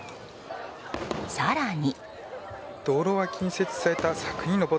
更に。